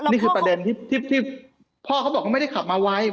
นี่คือประเด็นที่พ่อเขาบอกว่าไม่ได้ขับมาไว